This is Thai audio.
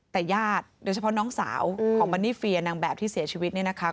แต่ญาติโดยเฉพาะน้องสาวของมันนี่เฟียนางแบบที่เสียชีวิตเนี่ยนะคะ